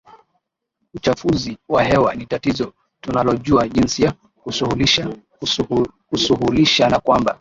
uchafuzi wa hewa ni tatizo tunalojua jinsi ya kusuhulisha na kwamba